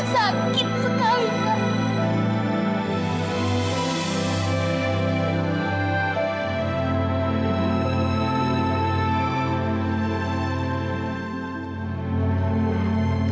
sakit sekali kak